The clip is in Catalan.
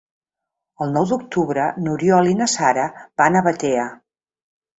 El nou d'octubre n'Oriol i na Sara van a Batea.